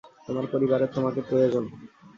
তোমার পরিবারের তোমাকে প্রয়োজন।